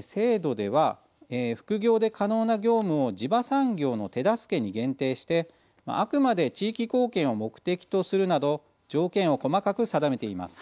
制度では、副業で可能な業務を地場産業の手助けに限定してあくまで地域貢献を目的とするなど、条件を細かく定めています。